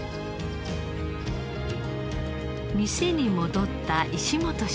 店に戻った石本シェフ。